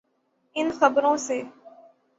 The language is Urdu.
ان خبروں سے؟